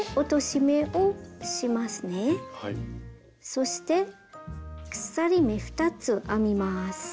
そして鎖目２つ編みます。